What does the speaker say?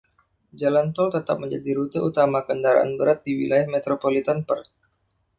Jalan tol tetap menjadi rute utama kendaraan berat di wilayah metropolitan Perth.